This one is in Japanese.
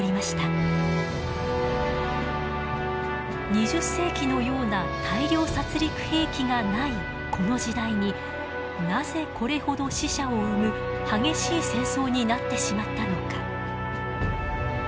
２０世紀のような大量殺戮兵器がないこの時代になぜこれほど死者を生む激しい戦争になってしまったのか。